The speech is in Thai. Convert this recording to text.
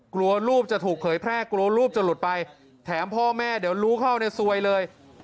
กลัวรูปจะถูกเผยแพร่กลัวรูปจะหลุดไปแถมพ่อแม่เดี๋ยวรู้เข้าในซวยเลย